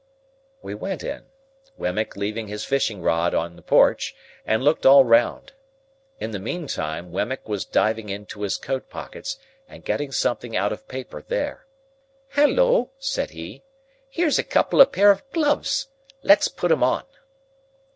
We went in, Wemmick leaving his fishing rod in the porch, and looked all round. In the mean time, Wemmick was diving into his coat pockets, and getting something out of paper there. "Halloa!" said he. "Here's a couple of pair of gloves! Let's put 'em on!"